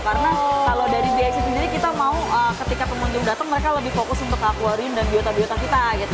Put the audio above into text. karena kalau dari dxc sendiri kita mau ketika pemenang datang mereka lebih fokus untuk aquarium dan biota biota kita gitu